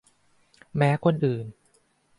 แม้คนอื่น